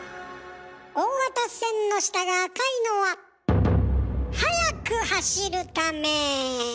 大型船の下が赤いのは速く走るため。